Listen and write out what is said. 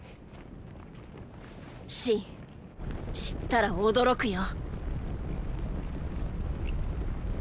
⁉信知ったら驚くよ。